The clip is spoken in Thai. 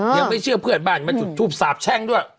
ยังไม่เชื่อเพื่อนบ้านมาจุดทูปสาบแช่งด้วย